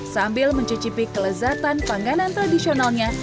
sambil mencicipi kelezatan panganan tradisionalnya